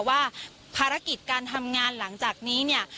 ว่าภารกิจการทำงานหลังจากนี้เนี่ย